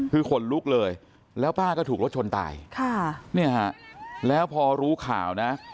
คือคนลุกเลยแล้วป้าก็ถูกรถชนตายแล้วพอรู้ข่าวนะ